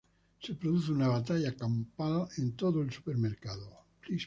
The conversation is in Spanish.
Se produce una batalla campal en todo el supermercado.